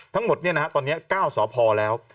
ทั้งหมดนี้นะตอนนี้เจ้าสตรข์พอแล้ว